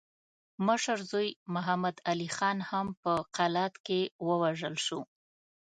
مشر زوی محمد علي خان هم په قلات کې ووژل شو.